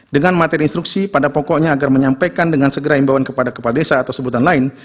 dengan materi instruksi pada pokoknya agar menyampaikan dengan segera imbauan kepada kepala desa atau sebutan lain